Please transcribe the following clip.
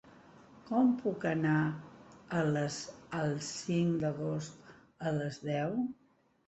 Com puc anar a Les el cinc d'agost a les deu?